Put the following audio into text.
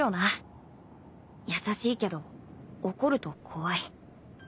優しいけど怒ると怖い